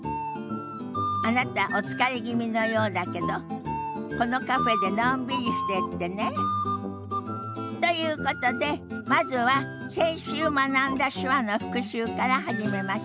あなたお疲れ気味のようだけどこのカフェでのんびりしてってね。ということでまずは先週学んだ手話の復習から始めましょ。